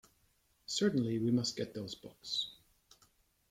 Certainly we must get those books.